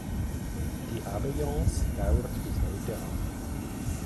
Die Abeyance dauert bis heute an.